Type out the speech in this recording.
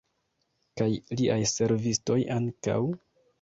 Kaj liaj servistoj ankaŭ?